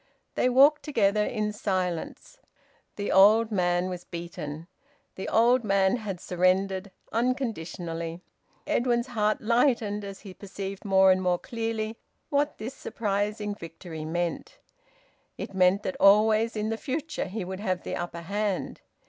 They walked together in silence. The old man was beaten. The old man had surrendered, unconditionally. Edwin's heart lightened as he perceived more and more clearly what this surprising victory meant. It meant that always in the future he would have the upper hand.